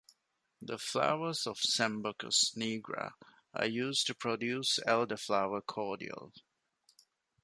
The flowers of "Sambucus nigra" are used to produce elderflower cordial.